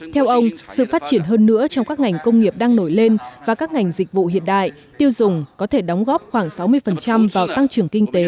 theo ông sự phát triển hơn nữa trong các ngành công nghiệp đang nổi lên và các ngành dịch vụ hiện đại tiêu dùng có thể đóng góp khoảng sáu mươi vào tăng trưởng kinh tế